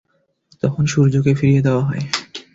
তখন সূর্যকে ফিরিয়ে দেয়া হয়।